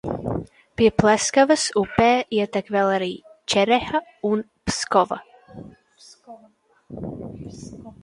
Pie Pleskavas upē ietek vēl arī Čereha un Pskova.